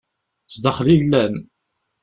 Zdaxel i llan.